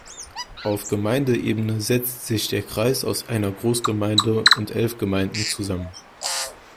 Auf Gemeindeebene setzt sich der Kreis aus einer Großgemeinde und elf Gemeinden zusammen.